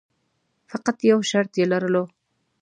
فقط یو شرط یې لرلو.